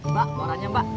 pak korannya pak